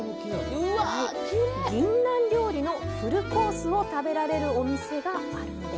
ギンナン料理のフルコースを食べられるお店があるんです。